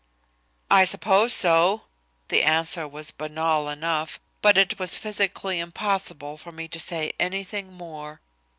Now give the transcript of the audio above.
"I suppose so." The answer was banal enough, but it was physically impossible for me to say anything more.